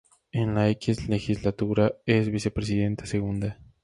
En la X legislatura es Vicepresidenta Segunda.